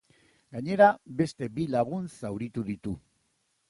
Gainera, beste bi lagun zauritu ditu.